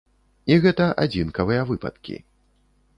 І гэта адзінкавыя выпадкі.